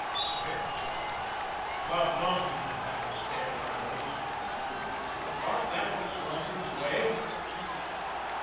Spare time! Bob Donkin didn't have any spare time those days! But that was Donkin's way.